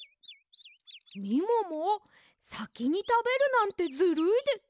みももさきにたべるなんてずるいで。